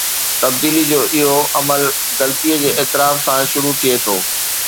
تبديلي جو اهو عمل غلطي جي اعتراف سان شروع ٿئي ٿو.